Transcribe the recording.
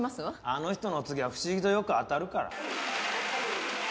あの人のお告げは不思議とよく当たるから。